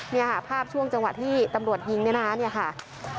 นี่ค่ะภาพช่วงจังหวะที่ตำรวจยิงนี่นะคะ